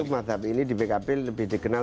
masyarakat ini di pkp lebih dikenal